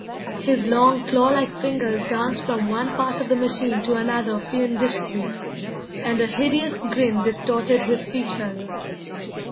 His long, claw like fingers danced from one part of the machine to another fiendishly, and a hideous grin distorted his features.